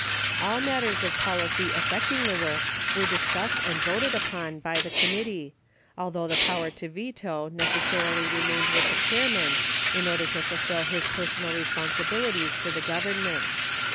All matters of policy affecting the work were discussed and voted upon by the Com mittee, although the power of veto necessarily remained with the chairman in order to fulfill his personal respon sibilities to the Government.